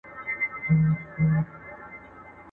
زه مرکز د دایرې یم هم اجزاء هم کل عیان یم.